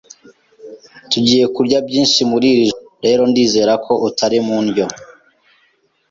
Tugiye kurya byinshi muri iri joro rero ndizera ko utari mu ndyo.